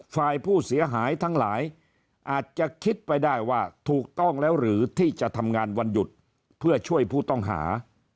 ฝ่ายผู้เสียหายทั้งหลายอาจจะคิดไปได้ว่าถูกต้องแล้วหรือที่จะทำงานวันหยุดเพื่อช่วยผู้ต้องหา